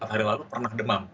empat hari lalu pernah demam